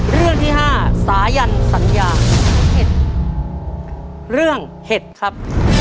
เรื่องที่๕สายันสัญญาเห็ดเรื่องเห็ดครับ